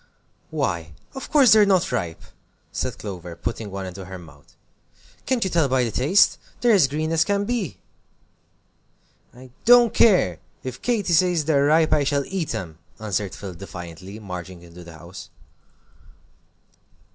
"Why, of course they're not ripe!" said Clover, putting one into her mouth. "Can't you tell by the taste? They're as green as can be." "I don't care, if Katy says they're ripe I shall eat 'em," answered Phil, defiantly, marching into the house.